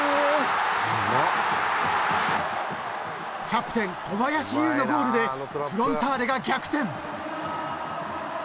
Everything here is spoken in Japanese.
［キャプテン小林悠のゴールでフロンターレが逆転］